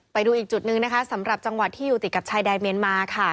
ไปดูอีกจุดหนึ่งนะคะสำหรับจังหวัดที่อยู่ติดกับชายแดนเมียนมาค่ะ